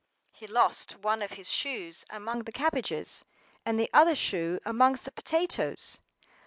He lost one of his shoes among the cabbages, and the other shoe amongst the potatoes.